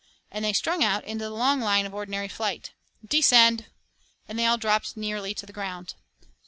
and they strung out into the long line of ordinary flight. 'Descend!' and they all dropped nearly to the ground.